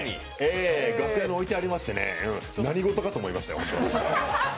楽屋に置いてありましてね、何ごとかと思いましたよ。